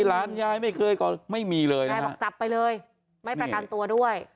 หลานยายไม่เคยก่อนไม่มีเลยนะยายบอกจับไปเลยไม่ประกันตัวด้วย